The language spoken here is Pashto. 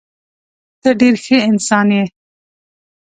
ته ډېر ښه انسان یې.